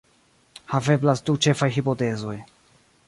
Haveblas du ĉefaj hipotezoj.